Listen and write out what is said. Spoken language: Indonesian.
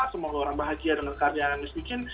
semua orang bahagia dengan karya unmesh bikin